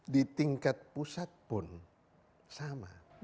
di tingkat pusat pun sama